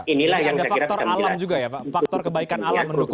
ini ada faktor kebaikan alam mendukung itu